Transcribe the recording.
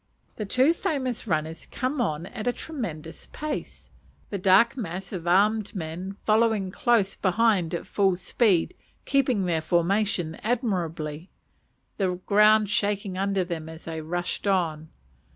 The two famous runners came on at a tremendous pace, the dark mass of armed men following close behind at full speed, keeping their formation admirably, the ground shaking under them as they rushed on.